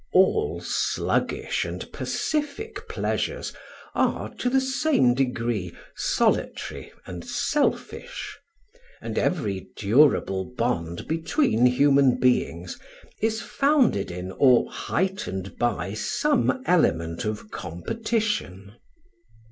All sluggish and pacific pleasures are, to the same degree, solitary and selfish; and every durable bond between human beings is founded in or heightened by some element of competition.